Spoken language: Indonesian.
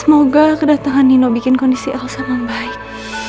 semoga kedatangan nino bikin kondisi elsa lebih baik